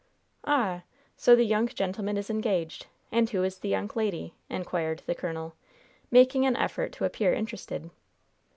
"Ah! So the young gentleman is engaged. And who is the young lady?" inquired the colonel, making an effort to appear interested.